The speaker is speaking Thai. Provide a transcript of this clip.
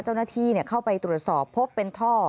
เจ้าหน้าที่เข้าไปตรวจสอบพบเป็นท่อ